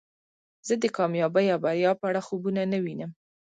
زه د کامیابی او بریا په اړه خوبونه نه وینم